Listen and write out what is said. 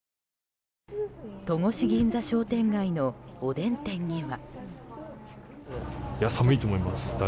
戸越銀座商店街のおでん店には。